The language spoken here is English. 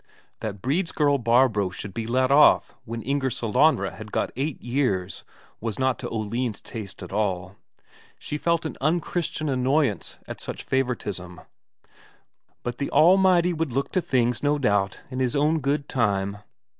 That Brede's girl Barbro should be let off when Inger Sellanraa had got eight years was not to Oline's taste at all; she felt an unchristian annoyance at such favouritism. But the Almighty would look to things, no doubt, in His own good time!